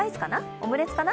オムレツかな？